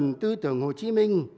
nhân tư tưởng hồ chí minh